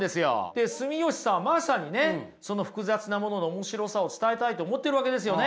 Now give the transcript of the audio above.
で住吉さんはまさにねその複雑なものの面白さを伝えたいと思ってるわけですよね。